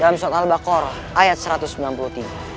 dalam soal al bakar ayat satu ratus sembilan puluh tiga